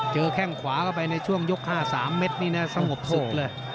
เจอแข้งขวาก็ไปในช่วงยกห้า๓เม็ดนี่สงบศึกเลย